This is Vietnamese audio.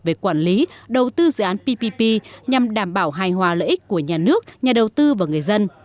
về quản lý đầu tư dự án ppp nhằm đảm bảo hài hòa lợi ích của nhà nước nhà đầu tư và người dân